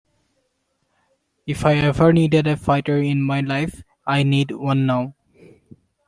If I ever needed a fighter in my life I need one now.